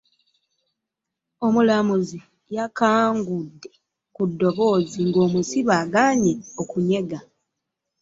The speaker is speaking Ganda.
Omulamuzi yakangudde ku ddoboozi ng'omusibe agaanyi okunyega.